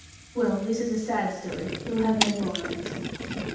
Well, this is a sad story; we'll have no more on't.